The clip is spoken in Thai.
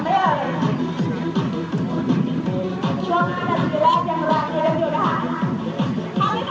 บางคนแถมกันด้วยเดี๋ยวเป็นสามกันด้วย